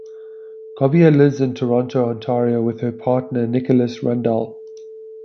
Govier lives in Toronto, Ontario with her partner Nicholas Rundall.